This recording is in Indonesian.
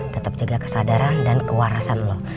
tetap jaga kesadaran dan kewarasan loh